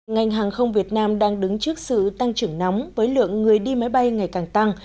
ngành hàng không việt nam đang đứng trước sự tăng trưởng nóng với lượng người đi máy bay ngày càng tăng